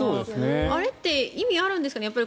あれって意味があるんですかね。